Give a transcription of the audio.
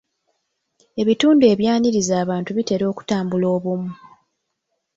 Ebitundu ebyaniriza abantu bitera okutumbula obumu.